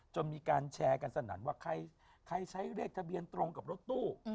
มีการแชร์กันสนั่นว่าใครใช้เลขทะเบียนตรงกับรถตู้